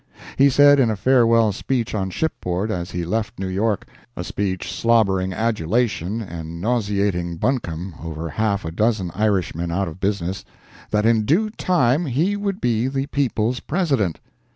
He said in a farewell speech on shipboard, as he left New York—a speech slobbering adulation and nauseating buncombe over half a dozen Irishmen out of business, that in due time he would be the People's President.